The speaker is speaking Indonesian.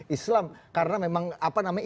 islam karena memang apa namanya